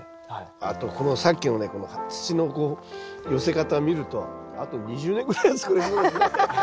あとさっきのねこの土の寄せ方を見るとあと２０年ぐらいは作れそうですね。